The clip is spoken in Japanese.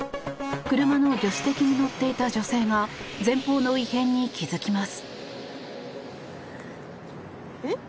車の助手席に乗っていた女性が前方の異変に気付きます。